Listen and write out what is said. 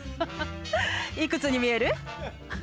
いくつに見える？